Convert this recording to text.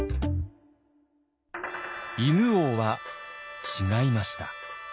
犬王は違いました。